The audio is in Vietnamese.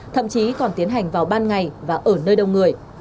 thậm chí còn tiến hành vào ban ngày và ở nơi đông người